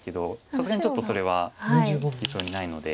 さすがにちょっとそれは利きそうにないので。